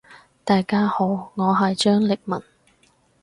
大家好，我係張力文。